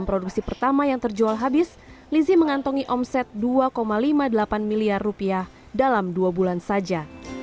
produksi pertama yang terjual habis lizzie mengantongi omset dua lima puluh delapan miliar rupiah dalam dua bulan saja